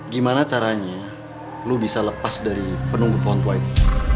gimana caranya lu bisa lepas dari penunggu pohon tua itu